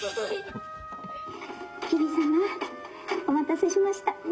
お待たせしました」。